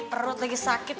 perut lagi sakit